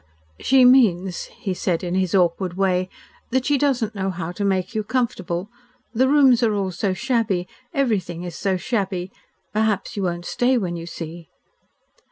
"She means," he said, in his awkward way, "that she doesn't know how to make you comfortable. The rooms are all so shabby everything is so shabby. Perhaps you won't stay when you see."